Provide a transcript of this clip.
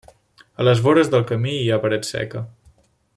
A les vores del camí hi ha paret seca.